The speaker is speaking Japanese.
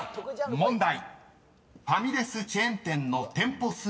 ［問題］